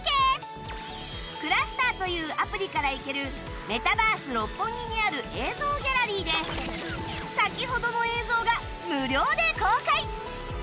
ｃｌｕｓｔｅｒ というアプリからいけるメタバース六本木にある映像ギャラリーで先ほどの映像が無料で公開